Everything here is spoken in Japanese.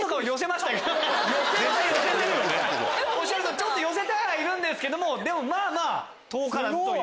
ちょっと寄せてはいるんですけどでもまぁ遠からずという。